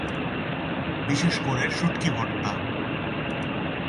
বিশেষ করে, শুঁটকি ভর্তা।